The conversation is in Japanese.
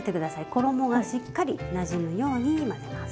衣がしっかりなじむように混ぜます。